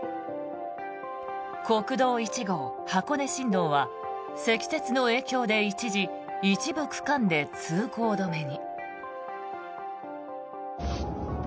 国道１号・箱根新道は積雪の影響で一時、一部区間で通行止めに。